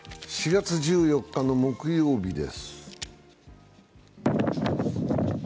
４月１４日の木曜日です。